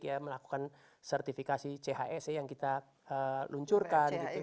ya melakukan sertifikasi chs ya yang kita luncurkan